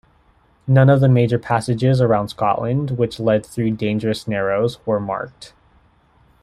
None of the major passages around Scotland, which led through dangerous narrows, were marked.